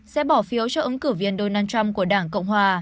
sẽ bỏ phiếu cho ứng cử viên donald trump của đảng cộng hòa